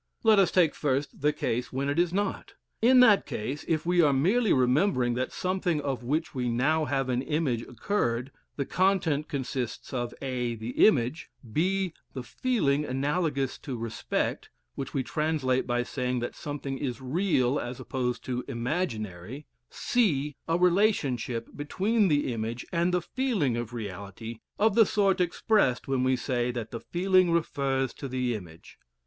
Let us take first the case when it is not. In that case, if we are merely remembering that something of which we now have an image occurred, the content consists of (a) the image, (b) the feeling, analogous to respect, which we translate by saying that something is "real" as opposed to "imaginary," (c) a relation between the image and the feeling of reality, of the sort expressed when we say that the feeling refers to the image.